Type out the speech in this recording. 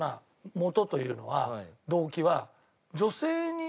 もとというのは動機は。